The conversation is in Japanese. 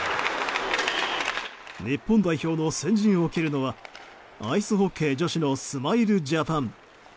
日本代表の先陣を切るのはアイスホッケー女子のスマイルジャパン。